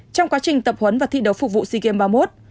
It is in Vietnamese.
trong quá trình tập huấn và thi đấu phục vụ sea games ba mươi một